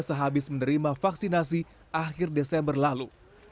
sehabis menerima vaksinasi akhir desember lalu